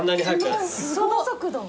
その速度？